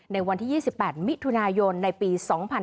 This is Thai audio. ในวันที่๒๘มิถุนายนในปี๒๕๕๙